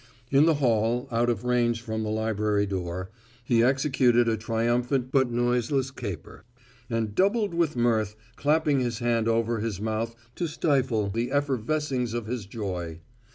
In the hall, out of range from the library door, he executed a triumphant but noiseless caper, and doubled with mirth, clapping his hand over his mouth to stifle the effervescings of his joy.